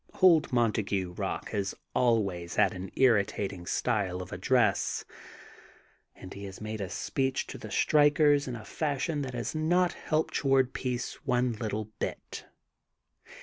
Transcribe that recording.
Old Montague Eock has always had an ir ritating style of address and he has made a speech to the strikers in a fashion that has not helped toward peace one little bit.